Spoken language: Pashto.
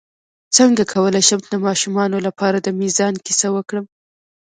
څنګه کولی شم د ماشومانو لپاره د میزان کیسه وکړم